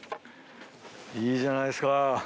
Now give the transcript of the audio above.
いいじゃないですか。